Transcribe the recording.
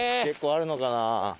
結構あるのかな。